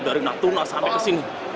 dari natuna sampai ke sini